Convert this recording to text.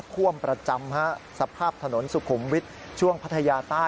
ท่วมประจำฮะสภาพถนนสุขุมวิทย์ช่วงพัทยาใต้